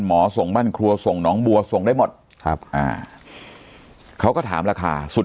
ส่งบ้านครัวส่งน้องบัวส่งได้หมดครับอ่าเขาก็ถามราคาสุด